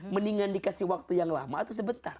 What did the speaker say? mendingan dikasih waktu yang lama atau sebentar